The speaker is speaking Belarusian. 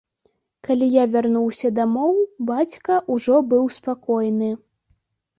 Калі я вярнуўся дамоў, бацька ўжо быў спакойны.